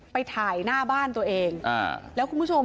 ไปถ่ายหน้าบ้านตัวเองอ่า